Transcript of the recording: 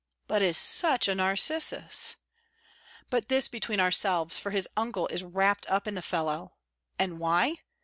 But is such a Narcissus! But this between ourselves, for his uncle is wrapt up in the fellow And why?